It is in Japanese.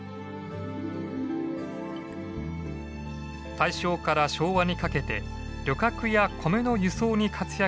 大正から昭和にかけて旅客や米の輸送に活躍したこの路線。